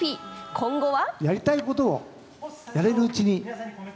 今後は。